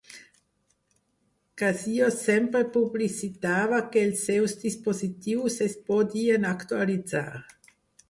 Casio sempre publicitava que els seus dispositius es podien actualitzar.